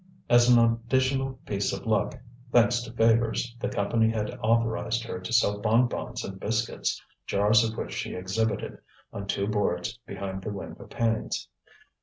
As an additional piece of luck, thanks to favours, the Company had authorized her to sell bon bons and biscuits, jars of which she exhibited, on two boards, behind the window panes.